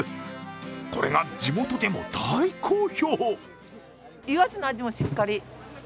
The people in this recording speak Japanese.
これが地元でも大好評！